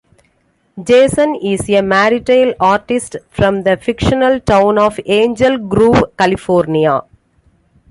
Jason is a martial artist from the fictional town of Angel Grove, California.